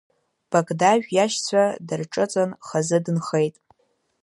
Багдажә иашьцәа дырҿыҵын хазы дынхеит.